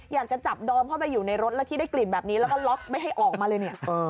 อยากจะจับดอมเข้าไปอยู่ในรถแล้วที่ได้กลิ่นแบบนี้แล้วก็ล็อกไม่ให้ออกมาเลยเนี่ย